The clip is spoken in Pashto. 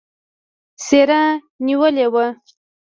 څېره نېولې وه.